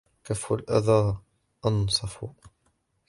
وَكَفَّ الْأَذَى أَنْصَفُ